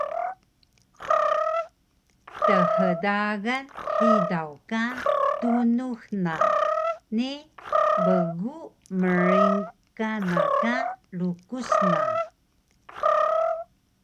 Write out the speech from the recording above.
Thdagan hidaw ka tunux na ni bgu mring kana ka lukus na